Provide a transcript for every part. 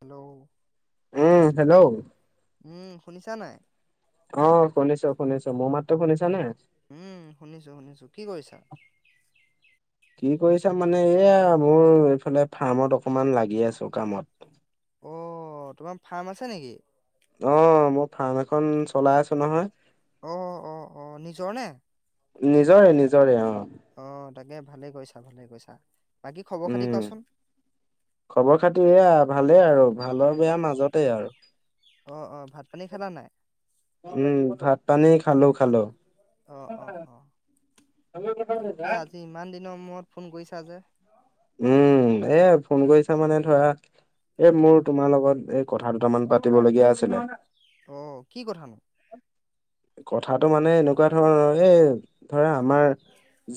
Hello উম hello উম শুনিছা নাই অ শুনিছো শুনিছো মোৰ মাতো শুনিছা নাই উম শুনিছো শুনিছো কি কৰিছা। [inaudible] কি কৰিছা মানে এয়া মোৰ এইফালে ফাৰ্মত অকমান লাগি আছো কামত অঁ তোমাৰ ফাৰ্ম আছে নেকি। অ মই ফাৰ্ম এখন চলাই আছো নহয়। অ অ অ অ নিজৰ নে নিজৰে নিজৰে অ অ তাকে ভালে কৰিছা ভালে কৰিছা বাকী খবৰ খাতি উম। কোৱাচোন। খবৰ পাতি এয়া ভালেই আৰু ভালৰ বেয়া মাজতে আৰু অ অ ভাত পানী খালা নে নাই উম ভাত পানী খালো খালো। অ অ অ তাকে আজি ইমান দিনৰ মূৰত ফোন কৰিছা যে উম এ ফোন কৰিছা মানে ধৰা এ উম মোৰ তোমাৰ লগত এ কথা দুটামান পাতিবলগীয়া আছিলে। অ কি কথা নো কথাটো মানে এনেকুৱা ধৰণৰ এ ধৰা আমাৰ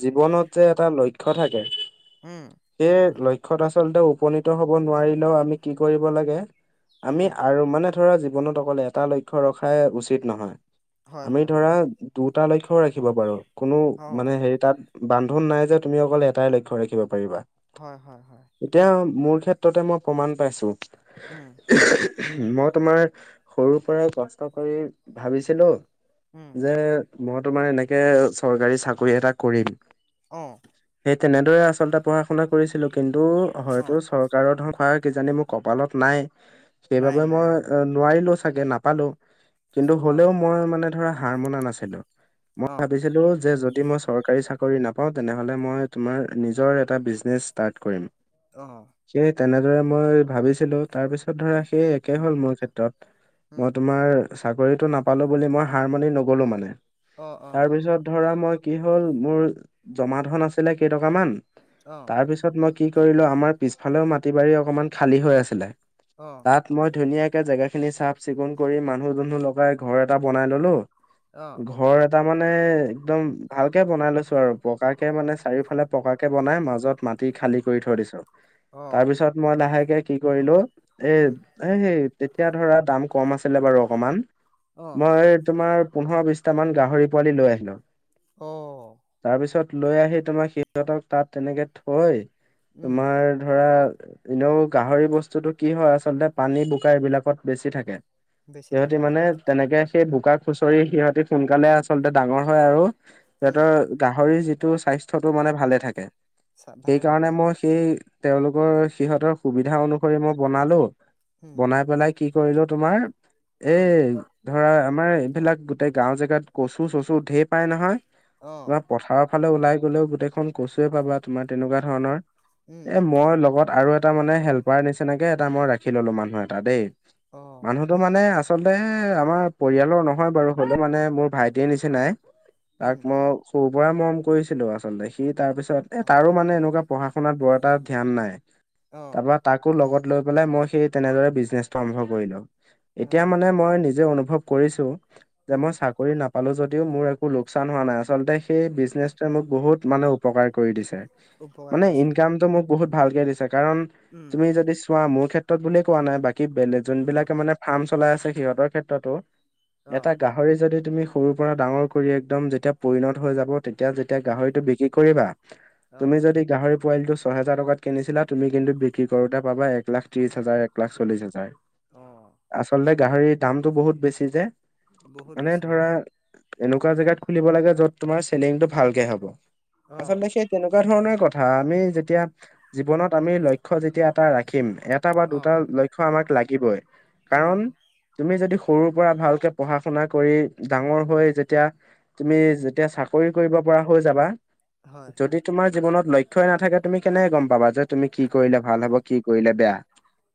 জীৱনত যে এটা লক্ষ্য থাকে। উম সেই লক্ষ্যত আচলতে উপনীত হব নোৱাৰিলেও আমি কি কৰিব লাগে। আমি উম আৰু মানে ধৰা জীৱনত অকলে এটা লক্ষ্য ৰখাই উচিত নহয়। হয় আমি হয় ধৰা হয় দুটা লক্ষ্য ৰাখিব পাৰো কোনো অ মানে হেৰি তাত। বান্ধোন নাই যে তুমি অকল এটাই লক্ষ্য ৰাখিব পাৰিবা। হয় হয় হয় এতিয়া মোৰ ক্ষেত্ৰতে মই প্ৰমাণ পাইছো। উম মই তোমাৰ সৰুৰ পৰাই কষ্ট কৰি ভাবিছিলো উম যে। মই তোমাৰ এনেকে চৰকাৰী চাকৰি এটা কৰিম। অঁ সেই তেনেদৰে আচলতে পঢ়া শুনা কৰিছিলো কিন্তু অ হয়তো চৰ চৰকাৰী ধন খোৱাৰ কিজানি মোৰ কপালত নাই নাই সেইবাবে নাই হয় মই নোৱাৰিলো চাগে নাপালো। কিন্তু অ হলেও মই মানে ধৰা হাৰ মনা নাছিলো মই অ ভাবিছিলো যে যদি মই চৰকাৰী চাকৰি নাপাওঁ তেনেহলে মই তোমাৰ নিজৰ মানে এটা বিজনেচ ষ্টাৰ্ট কৰিম। অ সেই তেনেদৰে মই ভাবিছিলো তাৰ পিছত ধৰা সেই একে উম হ'ল মোৰ ক্ষেত্ৰত উম মই তোমাৰ চাকৰিটো নাপালো বুলি মই হাৰ মানি নগলো মানে অ অ তাৰপিছত ধৰা মই। কি হ'ল মোৰ জমা ধন আছিলে কেইটকা মান। অ তাৰ পিছত মই কি কৰিলো আমাৰ পিছফালেও মাটি বাৰী অকমান খালী হৈ আছিলে অ', তাত মই ধুনীয়াকে জেগাখিনি চাফ চিকুণ কৰি মানুহ দুনুহলগাই ঘৰ এটা বনাই ললো। অ', ঘৰ এটা মানে একদম ভালকে বনাই লৈছো। আৰু পকাকে মানে চাৰিওফালে পকাকে বনাই মাজত মাটি খালী কৰি থৈ দিছো। অ', তাৰপিছত মই লাহেকে কি কৰিলো এ উম, এ হেই তেতিয়া ধৰা দাম কম আছিলে বাৰু অকমান অ', মই তোমাৰ পোন্ধৰ বিশ টামান গাহৰি পোৱালি লৈ আহিলো। অ তাৰ পিছত লৈ আহি তোমাক সিহঁতক তাত তেনেকে থৈ উম, তোমাৰ ধৰা এনেও গাহৰি বস্তুটো কি হয় আচলতে পানী বোকা এইবিলাকত বেছি থাকে। বেছি সিহঁতি থাকে অ', মানে তেনেকে সেই বোকা খুচৰি সিহঁতি সোনকালে আচলতে ডাঙৰ হয় আৰু উম, সিহঁতৰ গাহৰি যিটো স্বাস্থ্যটো মানে ভালে থাকে চা সেই ভালে থাকে কাৰণে অ', মই সেই তেওঁলোকৰ সিহঁতৰ সুবিধা অনুসৰি মই বনালো, উম, বনাই পেলাই কি কৰিলো তোমাৰ উম, এই ধৰা আমাৰ এইবিলাক গোটেই গাঁও জেগাত কচু - চচু ঢেৰ পাই নহয় অ। তোমাৰ পথাৰৰ ফালে ওলাই গ'লেও গোটেইখন কচুৱে পাবা তোমাৰ তেনেকুৱা ধৰণৰ। উম, এ মই লগত আৰু এটা মানে হেল্পাৰ নিচিনাকে এটা মই ৰাখি ললো মানুহ এটা দেই। অ', মানুহ টো মানে আচলতে আমাৰ পৰিয়ালৰ নহয় বাৰু হল' মানে মোৰ ভাইটিৰে নিচিনাই উম, তাক মই সৰু পৰাই মৰম কৰিছিলো আচলতে, সি তাৰ পিছত এ অ', তাৰো মানে এনেকুৱা পঢ়া -শুনাত বৰ এটা ধ্যান নাই অ', তাৰপৰা তাকো লগত লৈ পেলাই মই সেই তেনেদৰে বিজনেছটো আৰম্ভ কৰিলো এতিয়া অ', মানে মই নিজে অনুভৱ কৰিছো যে উম, মই চা কৰি নাপালো যদিও মোৰ একো লোকচান হোৱা নাই আচলতে সেই বিজনেছটোৱে মোক বহুত মানে উ পকাৰ কৰি দিছে উপকাৰ মানে কৰিছে হয়। ইনকামটো মোক বহুত ভালকে দিছে কাৰণ উম, তুমি যদি চো ৱা মোৰ ক্ষেত্ৰত বুলিয়ে কোৱা নাই বাকী বেলে উম, যোনবিলাকে মানে ফাৰ্ম চলাই আছে সিহঁতৰ ক্ষেত্ৰতো এটা অ', গাহৰি যদি তুমি সৰু পৰা ডাঙৰ কৰি একদম যেতিয়া পৰিণত হৈ যাব তেতিয়া যেতিয়া উম, গাহৰিটো বিক্ৰী কৰিবা, অ', তুমি যদি গাহৰি পোৱালীটো ছহেজাৰ টকাত কিনিছিলা তুমি কিন্তু বিক্ৰী কৰোতে পাবা এক লাখ ত্ৰিশ হাজাৰ, এক লাখ চল্লিশ হাজাৰ। অ', আচলতে গাহৰি দামটো বহুত বেছি যে বহুত মানে বেছি অ', ধৰা এনেকুৱা জেগাত খুলিব লাগে যত তোমাৰ চেলিংটো ভালকে হ'ব। অ', আচলতে সেই তেনেকুৱা ধৰণৰ কথা আমি যেতিয়া জীৱনত আমি লক্ষ্য যেতিয়া এটা ৰাখিম, এটা বা অ', দুটা ল ক্ষ্য আমাক লাগিবই উম, কাৰণ তুমি যদি সৰুৰ পৰা ভালকে পঢ়া - শুনা কৰি ডাঙৰ উম, হৈ যেতিয়া, তুমি যেতিয়া চাকৰি কৰিব পৰা হৈ যাবা হয়, যদি তোমাৰ জীৱনত লক্ষ্যই নাথাকে তুমি কেনেকে গম পাবা যে তুমি কি কৰিলে ভাল হয়, হব কি কৰিলে বেয়া?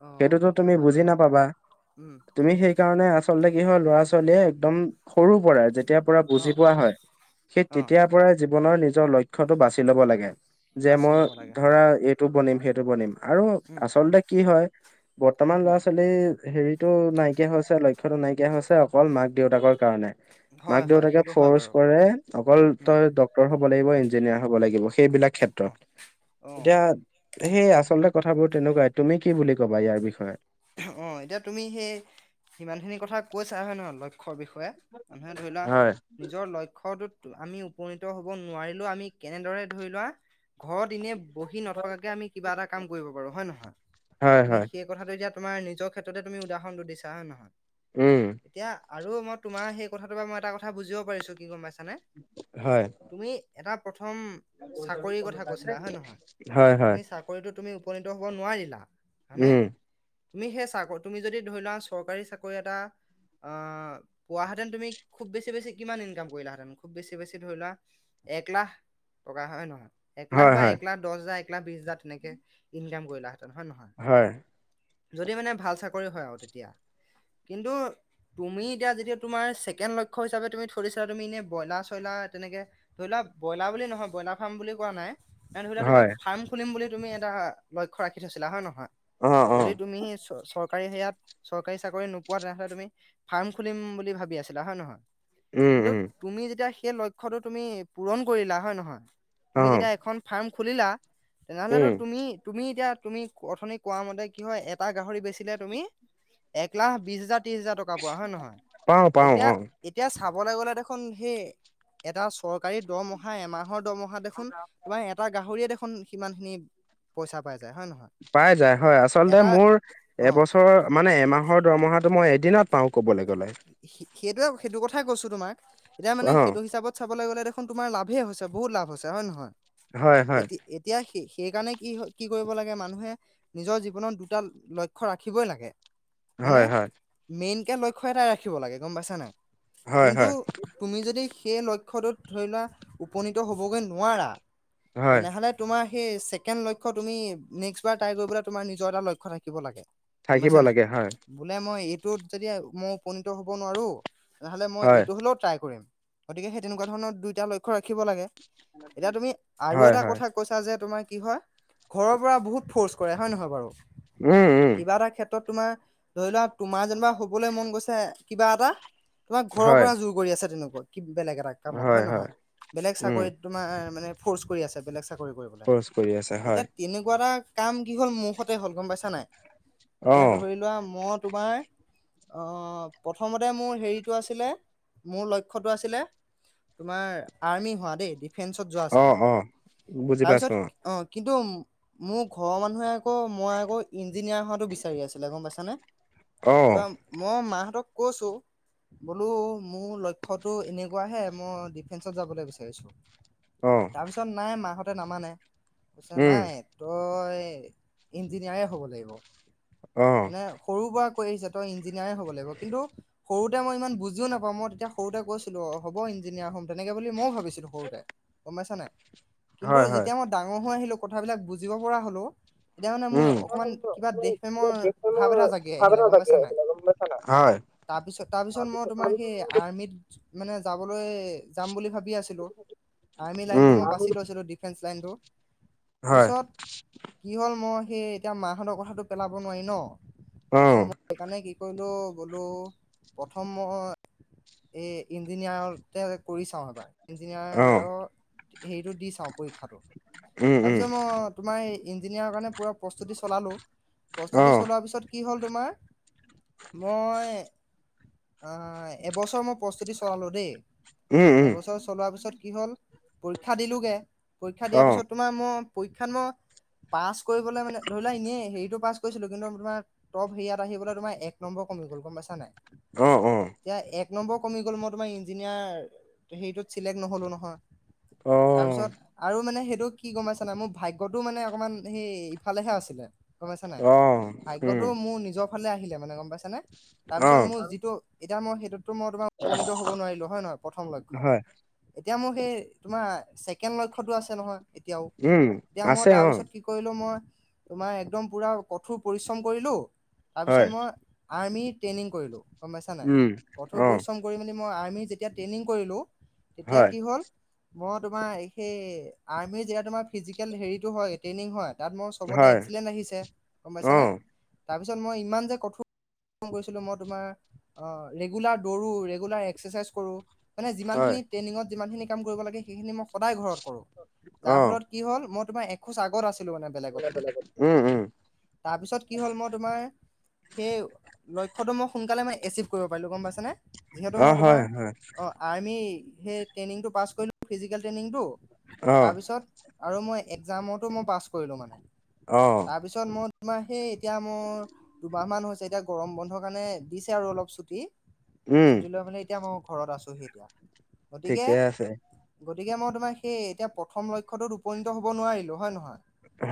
অ', সেইটোতো সেইটো তুমি হয় বুজি বাৰু নাপাবা? উম। তুমি সেই কাৰণে আচলতে কি হয় ল'ৰা ছোৱালীয়ে একদম সৰু পৰা যেত তিয়াৰ পৰা বুজি অ', পোৱা হয় সেই অ', তেতিয়াৰ পৰাই জীৱনৰ নিজৰ লক্ষ্যটো বাচি ল'ব লাগে যে বাছি মই ল'ব লাগে হয়, ধৰা এইটো বনিম সেইটো বনিম আৰু উম, আচলতে কি হয় বৰ্তমান ল'ৰা উম, - ছোৱালী হেৰিত টো নাইকিয়া হৈছে লক্ষ্যতো নাইকিয়া হৈছে অকল মাক - দেউতাকৰ কাৰণে। মাক হয়, - হয়, দেউতাকে সেইটো হয় ফৰ্চ বাৰু কৰে অকল উম। তই ডক্তৰ হ ব লাগিব ইঞ্জিনিয়াৰ হব লাগিব সেইবিলাক অ ক্ষেত্ৰত অ এতিয়া আ, সেই আচলতে কথাবোৰ তেনেকুৱাই তুমি কি বুলি ক'বা ইয়াৰ বিষয়ে? অঁহ এতিয়া তুমি সেই সিমানখিনি কথা কৈছা হয় নহয় লক্ষ্যৰ বিষয়ে মানু্হে ধৰি লোৱা হয়। নিজৰ লক্ষ্যটোত আমি উপনীত হব নোৱাৰিলেও আমি কেনেদৰে ধৰি লোৱা ঘৰত এনে বহি নথকাকে আমি কিবা এটা কাম কৰিব পাৰো হয় নহয়? হয় আমি হয় সেই কথাটো যেতিয়া তোমাৰ নিজৰ ক্ষেত্ৰতে তুমি উদাহৰণটো দিছা হয় নহয়? উম। এতিয়া আৰু মই তোমাৰ সেই কথাটো বা মই এটা কথা বুজিব পাৰিছো কি গম পাইছানে? হয়। তুমি এটা প্ৰথম চাকৰিৰ কথা কৈছিলা হয় নহয়? হয় হয় তুমি চা কৰিতো তুমি উপনীত হ'ব নোৱাৰিলা। হয়নে উম তুমি সেই চাকৰি তুমি যদি ধৰি লোৱা চৰকাৰী চাকৰি এটা আহ পোৱাহেতেন তুমি খুব বেছি বেছি কিমান ইনকাম কৰিলাহেতেন খুব বেছি বেছি ধৰিলোৱা। এক লাখ টকা হয় নহয় এক লাখ হয় বা হয় এক লাখ দহ হাজাৰ এককলাখ বিশ হাজাৰ তেনেকে ইনকাম কৰিলা হেঁতেন হয় নহয় হয় যদি মানে ভাল চাকৰি হয় আৰু তেতিয়া কিন্তু তুমি এতিয়া যেতিয়া তোমাৰ ছেকেণ্ড লক্ষ্য হিচাপে তুমি থৈছিলা তুমি এনেই ব্ৰইলাৰ চইলাৰ তেনেকে। ধৰি লোৱা ব্ৰইলাৰ বুলি নহয় ব্ৰইলাৰ ফাৰ্ম বুলি কোৱা নাই এ ধৰিলো তুমি হয় ফাৰ্ম খুলিম বুলি তুমি এটা লক্ষ্য ৰাখি থৈছিলা হয় নহয় অ অ যদি তুমি চৰকাৰী সেয়াত চৰকাৰী চাকৰি নোপোৱা তেনেহ'লে তুমি ফাৰ্ম খুলিম বুলি ভাবি আছিলা হয় ন নহয় উম কিন্তু উম তুমি যেতিয়া সেই লক্ষ্যটো তুমি পূৰণ কৰিলা হয় নহয় অ তুমি যেতিয়া এখন ফাৰ্ম খুলিলা তেনেহলেতো উম তুমি তুমি এতিয়া তুমি অথনি কোৱা মতে কি হয় এটা গাহৰি বেচিলে তুমি এক লাখ বিশ হাজাৰ ত্ৰিশ হেজাৰ টকা পোৱা হয় নে নহয় পাওঁ পাওঁ এতিয়া অ এতিয়া চাবলৈ গ'লে দেখোন সেই এটা চৰকাৰী দৰমহা এমাহৰ দৰমহা দেখোন তোমাৰ এটা গাহৰিয়ে দেখোন সিমান খিনি পইচা পাই যায় হয় নহয় পাই যায় হয় আচলতে এটা মোৰ অ এবছৰ মানে এমাহৰ দৰমহাটো মই এদিনত পাওঁ কবলৈ গ'লে সেইটোৱে সেইটো কথাই কৈছো তোমাক এতিয়া মানে অ সেইটো হিচাপত চাবলৈ গ'লে দেখোন তোমাৰ লাভে হৈছে বহুত লাভ হৈছে হয় নে নহয় হয় হয় এতি এতিয়া স সেইকাৰণে কি হয় কি কৰিব লাগে মানুহে নিজৰ জীৱনত দুটা লক্ষ্য ৰাখিবই লাগে মানে হয় হয় মেইনকে লক্ষ্য এটাই ৰাখিব লাগে গম পাইছ নাই হয় কিন্তু হয় তুমি যদি সেই লক্ষ্যটোত ধৰি লোৱা উপনীত হ'বগৈ নোৱাৰা হয় তেনেহ'লে তোমাৰ সেই ছেকেণ্ড লক্ষ্য তুমি নেক্স বাৰ ট্ৰাই কৰিবলৈ তোমাৰ নিজৰ এটা লক্ষ্য থাকিব লাগে। গম থাকিব পাইছা নাই লাগে হয় বোলে মই এইটোত যদি মই উপনীত হব নোৱাৰো। তেনেহ'লে মই হয় এইটো হ'লেও ট্ৰাই কৰিম গতিকে সেই তেনেকুৱা ধৰণৰ দুইটা লক্ষ্য ৰাখিব লাগে। এতিয়া তুমি আৰু হয় এটা হয় কথা কৈছা যে তোমাৰ কি হয় ঘৰৰ পৰা বহুত ফৰ্চ কৰে হয় নহয় বাৰু উম উম কিবা এটা ক্ষেত্ৰত তোমাৰ ধৰি লোৱা তোমাৰ যেনিবা হ'বলৈ মন গৈছে কিবা এটা তোমাৰ ঘৰৰ হয় পৰা জোৰ কৰি আছে তেনেকুৱা বেলেগ এটা কামত হয় নহয় বেলেগ উম চাকৰিত তোমাৰ মানে ফৰ্চ কৰি আছে বেলেগ চাকৰি কৰিবলৈ খৰচ কৰি আছে হয় এতিয়া তেনেকুৱা এটা কাম কি হ'ল মোৰ সতে হ'ল গম পাইছা নাই অ এতিয়া ধৰি লোৱা মই তোমাৰ অঁ প্ৰথমতে মোৰ হেৰিটো আছিলে মোৰ লক্ষ্যটো আছিলে তোমাৰ আৰ্মি হোৱা দেই ডিফেন্সত যোৱা অ আছিলে অ বুজি পাইছো তাৰপিছত অ কিন্তু মোৰ ঘৰৰ মানুহে আকৌ মই আকৌ ইঞ্জিনিয়াৰ হোৱাটো বিচাৰি আছিলে গম পাইছানে। অ মই মাহঁতক কৈছো বোলো মোৰ লক্ষ্যতো এনেকুৱাহে মই ডিফেন্সত যাবলৈ বিচাৰিছো। অঁ তাৰপিছত নাই মাহঁতে নামানে পিছত উম নাই। তই ইঞ্জিনিয়াৰে হ'ব লাগিব। অঁ। সৰু পৰা কৈ আহিছে তই ইঞ্জিনিয়াৰ হ'ব লাগিব কিন্তু- সৰুতে মই ইমান বুজিও নাপাওঁ, মই তেতিয়া কৈছিলো হ'ব ইঞ্জিনিয়াৰ হম তেনেকে বুলি মইও ভাবিছিলো। সৰুতে গম পাইছানে হয় কিন্তু হয় যেতিয়া মই ডাঙৰ হৈ আহিলো কথাবিলাক বুজিব পৰা হ'লো। এতিয়া মানে মোৰ উম অকমান কিবা দেশ প্ৰেমৰ ভাৱ এটা জাগে আহিলে গম পাইছা নাই। হয়। তাৰপিছত তাৰ পিছত মই তোমাৰ সেই আৰ্মিত মানে যাবলৈ যাম বুলি ভাবি আছিলো। আৰ্মি লাইনটো উম মই বাছি লৈছিলোঁ ডিফেন্স লাইনটো। হয় পিছত- কি হ'ল মই সেই এতিয়া মাহঁতৰ কথাটো পেলাব নোৱাৰি ন অ তাৰপিছত মই সেইকাৰণে কি- কৰিলোঁ বোলো প্ৰথম মই- এই ইঞ্জিনিয়াৰতে কৰি চাওঁ এবাৰ। অ ইঞ্জিনিয়াৰৰ হেৰিটো দি চাওঁ পৰীক্ষাটো। উম উম তাৰপিছত মই- তোমাৰ এই ইঞ্জিনিয়াৰৰ কাৰণে পুৰা প্ৰস্তুতি চলালোঁ। অ প্ৰস্তুতি চলোৱাৰ পিছত কি হ'ল তোমাৰ- মই এবছৰ মই প্ৰস্তুতি চলালোঁ দেই। উম উম এবছৰ চলোৱাৰ পিছত কি হল পৰীক্ষা দিলোগে, পৰীক্ষা দিয়াৰ অ পিছত- তোমাৰ মোৰ পৰীক্ষাত মই- পাছ কৰিবলৈ মানে ধৰিলা এনে হেৰিতটো পাছ কৰিছিলো কিন্তু তোমাৰ টপ হেৰিয়াত আহিবলৈ তোমাৰ এক- নম্বৰ কমি গল গম পাইছা নাই। অঁ, অঁ। এতিয়া এক নম্বৰ কমি গ'ল মই তোমাৰ ইঞ্জিনিয়াৰ হেৰিটোত চিলেক্ট নহলো নহয়। অ', তাৰপিছত আৰু মানে সেইটো- কি গম পাইছা নাই মোৰ ভাগ্যটো মানে অকমান সেই ইফালেহে আছিলে। গম পাইছা নাই, অ', উম, ভাগ্যটো মোৰ নিজৰ- ফালে আহিলে মানে গম পাইছে নে। তাৰপিছত অ', মোৰ যিটো এতিয়া মই সেইটোতো মই তোমাৰ- উপনীত হ'ব নোৱাৰিলোঁ হয় নহয় প্ৰথম লক্ষ্যত। হয়, এতিয়া মোৰ সেই তোমাৰ ছেকেণ্ড লক্ষ্যতো আছে নহয় এতিয়াও। উম, এতিয়া মই আছে অ', তাৰপিছত- কি কৰিলোঁ মই তোমাৰ একদম পূৰা কঠোৰ পৰিশ্ৰম কৰিলোঁ, হয়, তাৰপিছত মই- আৰ্মি ট্ৰেইনিং কৰিলো গম পাইছা নাই, উম, কঠোৰ অ', পৰিশ্ৰম- কৰি মই আৰ্মীত যেতিয়া ট্ৰেইনিং হয়, কৰিলোঁ- মই তোমাৰ সেই আৰ্মিৰ যেতিয়া তোমাৰ ফিজিকেল হেৰিতটো হয় ট্ৰেইনিং হয়- তাত মোৰ চবতে হয়, এক্সিলেন্ত আহিছে গম পাইছানে। অ', তাৰপিছত মই ইমান যে কঠোৰ- পৰিশ্ৰম কৰিছিলোঁ, মই তোমাৰ ৰেগুলাৰ দৌৰোঁ, ৰেগুলাৰ এক্সাৰচাইজ কৰোঁ মানে হয়, যিমানখিনি- ট্ৰেইনিঙত যিমানখিনি কাম কৰিব লাগে সেইখিনি মই সদায় ঘৰত কৰোঁ। যাৰ অ', ফলত- কি হ'ল মই তোমাৰ এখোজ আগত আছিলো মানে বেলেগতকৈ। উম, উম, তাৰপিছত কি হ'ল মই তোমাৰ- সেই লক্ষ্যটো মই সোনকালে মানে এচিভ কৰিব পাৰিলোঁ গম পাইছেনে, যিহেতু অ', মই হয়, তোমাৰ হয়, অঁ- আৰ্মি সেই ট্ৰেইনিংটো পাছ কৰিলো ফিজিকেল ট্ৰেইনিংটো অ', তাৰপিছত- আৰু মই একজামতো মই পাছ কৰিলো মানে অ', তাৰপিছত- মই তোমাৰ সেই এতিয়া মোৰ- দুমাহমান হৈছে এতিয়া গৰম বন্ধৰ কাৰণে দিছে আৰু অলপ ছুটি। উম, ছুটি লৈ মানে- এতিয়া মই ঘৰত আছোহি এতিয়া। ঠিকে আছে, গতিকে- গতিকে মই তোমাৰ সেই এতিয়া প্ৰথম লক্ষ্যটোত উপনীত হব নোৱাৰিলো হয় নহয়,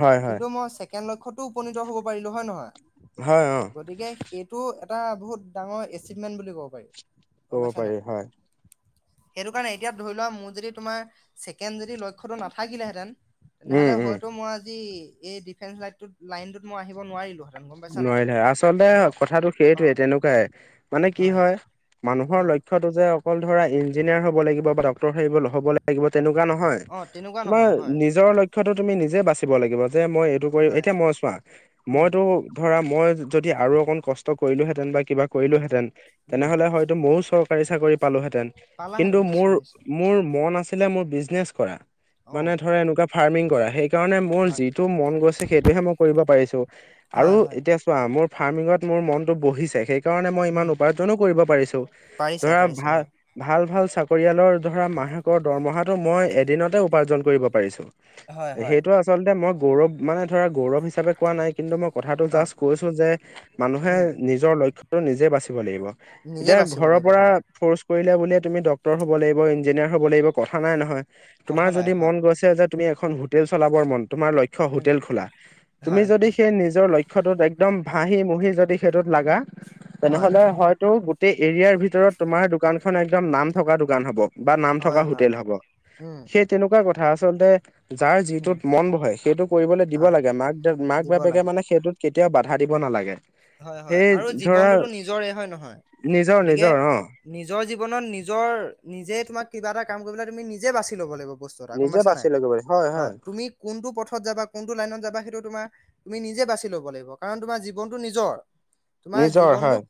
হয়, হয়, কিন্তু মই ছেকেণ্ড লক্ষয়তো উপনীত হব পাৰিলো হয় নহয়। হয় অ গতিকে সেইটো এটা বহুত ডাঙৰ এচিভমেণ্ট বুলি ক'ব পাৰি ক'ব গম পাইছানাই পাৰি হয়, সেইটোকাৰণে এতিয়া ধৰিলোৱা মোৰ যদি তোমাৰ ছেকেণ্ড যদি লক্ষ্য তো নাথাকিলেহেঁতেন উম, তেনেহ'লে উম, হয় তটো মই আজি এই ডিফেন্স লাইনত লাইনতোত মই আহিব নোৱাৰিলো হ নোৱাৰিলে আচলতে কথাটো অ সেইটোৱে তেনেকুৱাই মানে কি হয় মানুহৰ অ লক্ষটো যে অকল ধৰা ইঞ্জিনিয়াৰ হ'ব লাগিব বা ডক্টৰ হ'ব লাগিব তেনেকুৱা নহয় অ তেনেকুৱা তোমাৰ নহয় হয় নিজৰ লক্ষ্যতো তুমি নিজে বাচিব লাগিব যে মই ম হয় এতিয়া মই চোৱা উম মইতো ধৰা মই যদি আৰু অকন কষ্ট কৰিলোহেতেন বা কিবা হয় কৰিলোহেঁতেন উম তেনেহ'লে হয়তো ময়ো চৰকাৰী চাকৰি পালোহেতেন কিন্তু পালাহেঁতেন মোৰ নিশ্চয় নিশ্চয় মোৰ মন আছিলে মোৰ বিজনেচ কৰা অ মানে ধৰা এনেকুৱা ফাৰ্মিং কৰা সেই কাৰণে মোৰ হয় যিটো মন গৈছে সেইটোহে মই কৰিব পাৰিছো আৰু হয় হয় এতিয়া চোৱা মোৰ ফাৰ্মিঙত মোৰ মনটো বহিছে সেই স কাৰণে মই ইমান উম উপাৰ্জনো কৰিব পাৰিছো পাৰিছা ধৰা পাৰিছা ভাল হয় ভাল ভাল চাকৰিয়ালৰ মাহেকৰ দৰমহাটো মই এদিনতে উপাৰ্জন কৰিব পাৰিছো হয় হয় সেইটো আ আচলতে মই গৌৰৱ মানে ধৰা গৌৰৱ হিচাপে কোৱা নাই কিন্তু মই কথাটো অ জাষ্ট কৈছো যে মানুহে উম নিজৰ লক্ষ্যটো নিজে বাচিব লাগিব নিজে এতিয়া বাচিব ঘৰৰ লাগিব পৰা হয়। ফৰ্চ কৰিলে বুলিয়ে তুমি ডক্তৰ হব লাগিব ইঞ্জিনিয়াৰ হব লাগিব কথা নাই নহয় কথা তোমাৰ নাই যদি হয় মন গৈ তেন্তে তুমি এখন হোটেল চলাবৰ মন তোমাৰ লক্ষ্য উম হোটেল খোলা তুমি হয়। যদি সেই নিজ নিজৰ লক্ষ্যটোত একদম ভাহি মুহি যদি সেইটোত লাগা হয় তেনেহ'লে হয়তো গ গোটেই এৰিয়াৰ ভিতৰত তোমাৰ দোকানখন একদম নাম থকা দোকান হ'ব বা নাম থকা হয় হয় হোটেল হব উম সেই তেনেকুৱা কথা আচলতে যাৰ উম যিটোত মন বহে সেইটো কৰিবলৈ দিব হয় লাগে মাক দে মাক দিব বাপেকে লাগে। মানে সেইটোত কেতিয়াও বাধা দিব নালাগে হয় হয় সেই আৰু ধৰা জীৱনটোতো নিজৰে হয় নহয় নিজৰ গতিকে নিজৰ অ নিজৰ জীৱনত নিজৰ নিজে তোমাক কিবা এটা কাম কৰিবলৈ তুমি নিজে বাচি ল'ব লাগিব বস্তু এটা গম নিজে পাইছা বাচি নাই ল'ব পাৰি হয় অ' হয় তুমি কোনটো পথত যাবা কোনটো লাইনত যাবা সেইটো তোমাৰ তুমি নিজে বাচি ল'ব লাগিব কাৰণ তোমাৰ জীৱন নিজৰ তোমাৰ নিজৰ হয় জীৱনটো